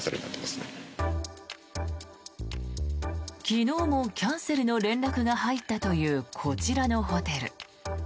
昨日もキャンセルの連絡が入ったというこちらのホテル。